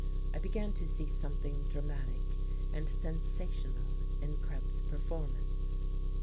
I began to see something dramatic and sensational in Krebs's performance....